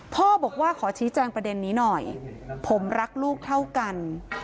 พ่อบอกว่าขอชี้แจงประเด็นนี้หน่อยผมรักลูกเท่ากัน